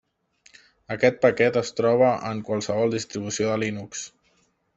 Aquest paquet es troba en qualsevol distribució de Linux.